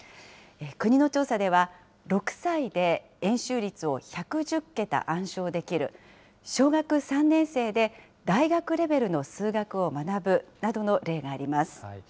国の調査では、６歳で円周率を１１０桁暗唱できる、小学３年生で大学レベルの数学を学ぶなどの例があります。